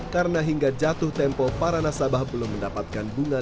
karena hingga jatuh tempo para nasabah belum mendapatkan bunga